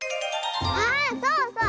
あそうそう！